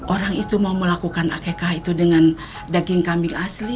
orang itu mau melakukan akekah itu dengan daging kambing asli